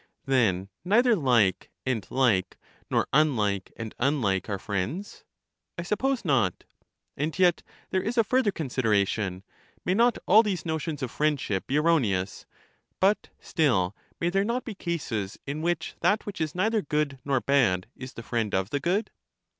Then neither like and like nor unlike and unlike are friends. I suppose not. And yet there is a further consideration : may not all these notions of friendship be erroneous? but still may there not be cases in which that which is neither good nor bad is the friend of the good?